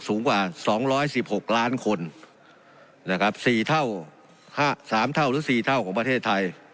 สูงกว่าสองร้อยสิบหกล้านคนนะครับสี่เท่าห้าสามเท่าหรือสี่เท่าของประเทศไทย